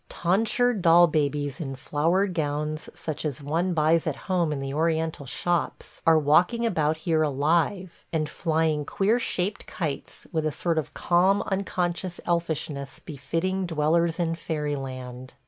Tonsured doll babies in flowered gowns, such as one buys at home in the Oriental shops, are walking about here alive, and flying queer shaped kites, with a sort of calm unconscious elfishness befitting dwellers in fairyland.